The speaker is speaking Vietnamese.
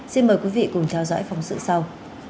xin mời quý vị cùng theo dõi phóng sự sau